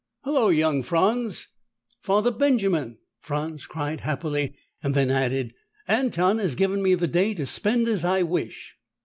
"Hello, young Franz!" "Father Benjamin!" Franz cried happily, then added, "Anton has given me the day to spend as I wish."